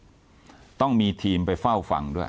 หนึ่งเนี่ยเวลาไปขึ้นศาลเนี่ยต้องมีทีมไปเฝ้าฟังด้วย